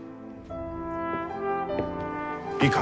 いいか？